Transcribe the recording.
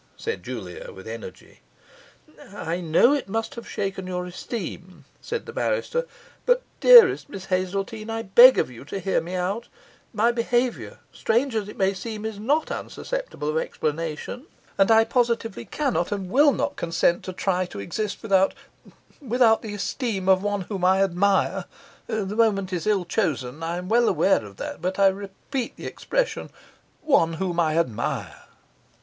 said Julia, with energy. 'I know it must have shaken your esteem,' said the barrister. 'But, dearest Miss Hazeltine, I beg of you to hear me out; my behaviour, strange as it may seem, is not unsusceptible of explanation; and I positively cannot and will not consent to continue to try to exist without without the esteem of one whom I admire the moment is ill chosen, I am well aware of that; but I repeat the expression one whom I admire.